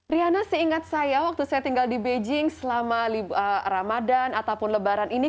riana seingat saya waktu saya tinggal di beijing selama ramadan ataupun lebaran ini